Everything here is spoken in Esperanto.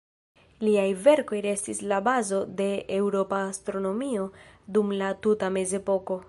Liaj verkoj restis la bazo de eŭropa astronomio dum la tuta mezepoko.